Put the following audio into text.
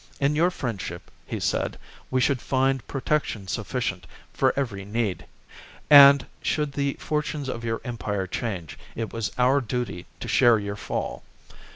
In your friendship, he said, we should find 138 THE JUGURTHINE WAR. ^HAP. protection sufficient for every need ; and, should the fortunes of your empire change, it was our duty to share your fall.